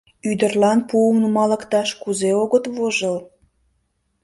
Ӱдырлан пуым нумалыкташ кузе огыт вожыл?